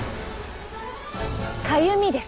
かゆみです！